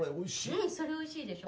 うんそれおいしいでしょ。